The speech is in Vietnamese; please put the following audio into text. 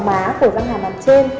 má của răng hàm hàm trên